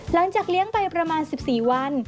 หลังจากเลี้ยงไปประมาณ๑๔วัน